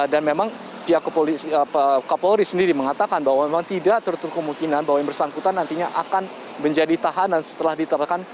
dan memang pihak kepolisian kapolri sendiri mengatakan bahwa memang tidak terlalu kemungkinan bahwa yang bersangkutan nantinya akan menjadi tahanan setelah ditetapkan